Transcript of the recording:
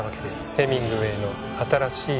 ヘミングウェイの新しい世界へ。